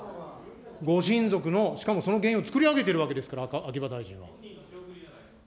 ご親族の、しかもその原因をつくり上げているわけですから、秋葉大臣は。